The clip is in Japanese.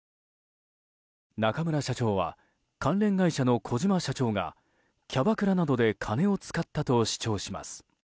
中村社長は関連会社の小島社長がキャバクラなどで金を使ったと主張します。